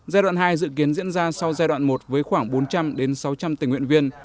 giai đoạn hai dự kiến diễn ra sau giai đoạn một với khoảng bốn trăm linh sáu trăm linh tình nguyện viên